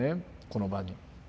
この場に。